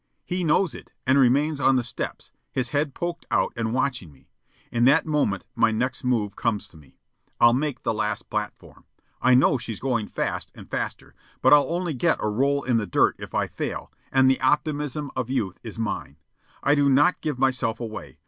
He knows it, and remains on the steps, his head poked out and watching me. In that moment my next move comes to me. I'll make the last platform. I know she's going fast and faster, but I'll only get a roll in the dirt if I fail, and the optimism of youth is mine. I do not give myself away.